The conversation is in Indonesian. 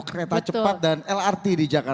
kereta cepat dan lrt di jakarta